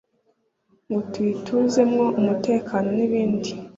Ngo tuyituzemo umutekano nibindi